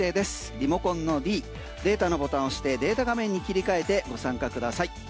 リモコンのｄで他のボタン押してデータ画面に切り替えてご参加ください。